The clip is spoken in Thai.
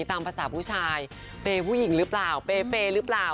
ตามภาษาผู้ชายเปย์ผู้หญิงหรือเปล่าเปเปย์หรือเปล่า